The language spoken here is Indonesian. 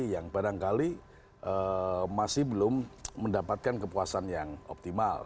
yang barangkali masih belum mendapatkan kepuasan yang optimal